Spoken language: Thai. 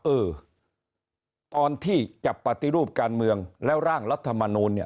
เออตอนที่จะปฏิรูปการเมืองแล้วร่างรัฐมนูลเนี่ย